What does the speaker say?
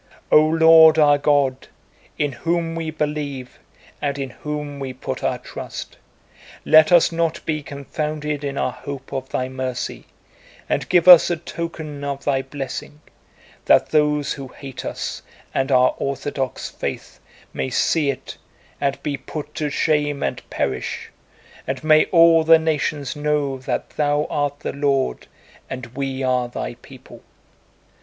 "O Lord our God, in whom we believe and in whom we put our trust, let us not be confounded in our hope of Thy mercy, and give us a token of Thy blessing, that those who hate us and our Orthodox faith may see it and be put to shame and perish, and may all the nations know that Thou art the Lord and we are Thy people.